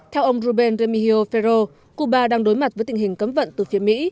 theo ông ruben ramio ferro cuba đang đối mặt với tình hình cấm vận từ phía mỹ